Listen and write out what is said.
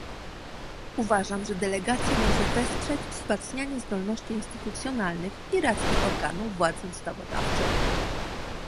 Uważam, że delegacja może wesprzeć wzmacnianie zdolności instytucjonalnych irackich organów władzy ustawodawczej